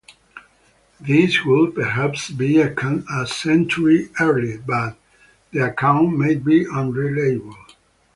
This would perhaps be a century earlier, but the account may be unreliable.